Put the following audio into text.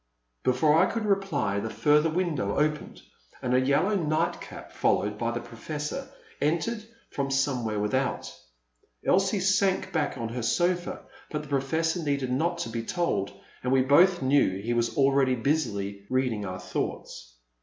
'* Before I could reply the further window opened and a yellow nightcap, followed hy the Professor, entered from somewhere without. Elsie sank back on her sofa, but the Professor needed not to be told, and we both knew he was already busily reading our thoughts.